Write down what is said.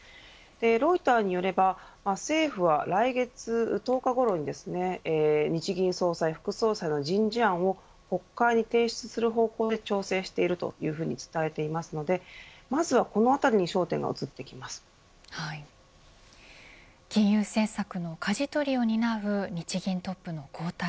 ロイターによれば政府は来月１０日ごろにですね日銀総裁、副総裁の人事案を国会に提出する方向で調整しているというふうに伝えていますのでまずはこの辺りに金融政策のかじ取りを担う日銀トップの交代。